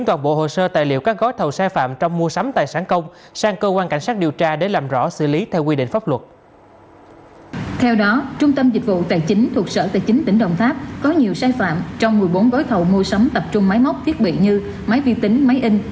theo đó trung tâm dịch vụ tài chính thuộc sở tài chính tỉnh đồng tháp có nhiều sai phạm trong một mươi bốn gói thầu mua sắm tập trung máy móc thiết bị như máy vi tính máy in